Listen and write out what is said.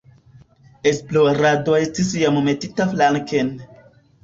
Esplorado estis jam metita flanken.